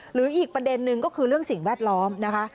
หรืออีกประเด็นนึงก็คือเรื่องสิ่งแวดล้อมนะคะ